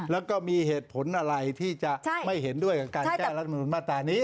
แล้วก็มีเหตุผลอะไรที่จะไม่เห็นด้วยกับการแก้รัฐมนุนมาตรานี้